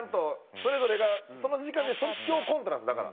それぞれがその時間で即興コントなんですだから。